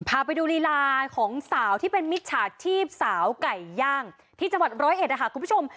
พาไปดูลีลาของสาวที่เป็นมิจฉาชีพสาวไก่ย่างที่จังหวัดร้อยเอ็ดนะคะคุณผู้ชม